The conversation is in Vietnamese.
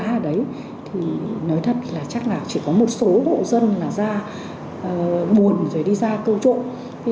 câu cá đấy thì nói thật là chắc là chỉ có một số bộ dân là ra buồn rồi đi ra câu trộn